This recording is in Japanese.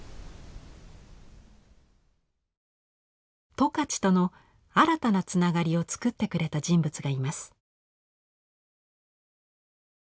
十勝との新たなつながりをつくってくれた人物がいます。